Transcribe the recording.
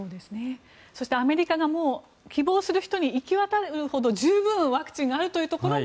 そしてアメリカがもう希望する人に行き渡るほど十分ワクチンがあるというところも